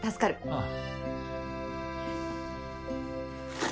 ああ。